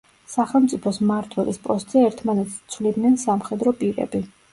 სახელმწიფოს მმართველის პოსტზე ერთმანეთს ცვლიდნენ სამხედრო პირები.